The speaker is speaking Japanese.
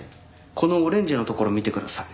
このオレンジのところ見てください。